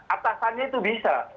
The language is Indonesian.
atasannya itu bisa